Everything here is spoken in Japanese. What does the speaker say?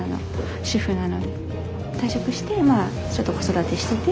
退職してちょっと子育てしてて。